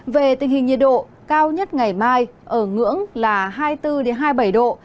về tình hình nhiệt độ cao nhất ngày mai ở ngưỡng là hai mươi bốn hai mươi bảy độ